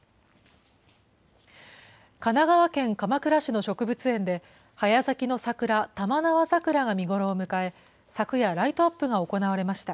神奈川県鎌倉市の植物園で、早咲きの桜、玉縄桜が見頃を迎え、昨夜、ライトアップが行われました。